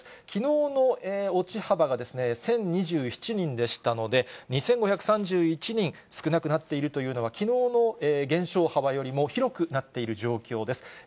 きのうの落ち幅が１０２７人でしたので、２５３１人少なくなっているというのは、きのうの減少幅よりも広くなっている状況です。